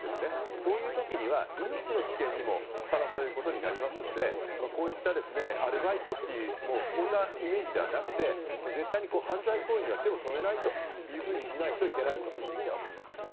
そういう時には、命の危険にさらされることになりますのでこういったアルバイトというそんなイメージではなくて絶対に犯罪行為には手を染めないとしないといけないと思いますね。